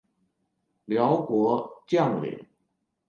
辽国将领。